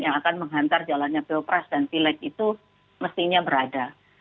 yang akan menghantar jalannya pilpres dan pilek itu mestinya berada